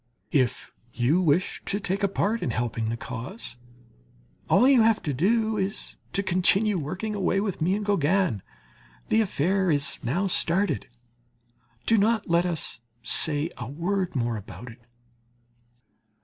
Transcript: If you wish to take a part in helping the cause, all you have to do is to continue working away with me and Gauguin; the affair is now started; do not let us say a word more about it.